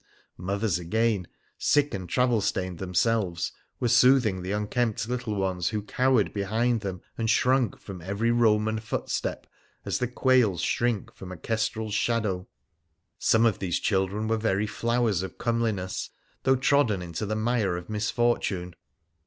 Mothers, again — sick and travel stained themselves — were soothing the unkempt little ones who cowered behind them and shrunk from every Roman footstep as the quails shrink from a kestrel's shadow. Some of these children were very flowers of comeli ness, though trodden into the mire of misfortune.